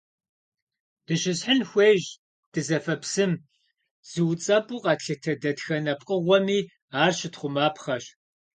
Дыщысхьын хуейщ дызэфэ псым, зыуцӀэпӀу къэтлъытэ дэтхэнэ пкъыгъуэми ар щытхъумапхъэщ.